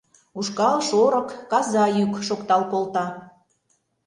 Ушкал, шорык, каза йӱк шоктал колта.